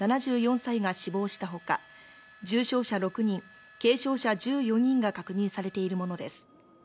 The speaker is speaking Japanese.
７４歳が死亡したほか、重傷者６人、軽傷者１４人が確認されているものです。